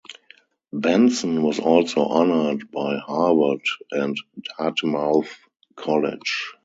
Benson was also honored by Harvard and Dartmouth College.